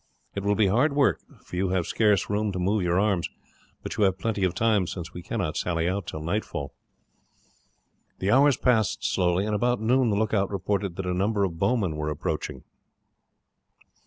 It will be hard work, for you have scarce room to move your arms, but you have plenty of time since we cannot sally out till nightfall." The hours passed slowly, and about noon the lookout reported that a number of bowmen were approaching.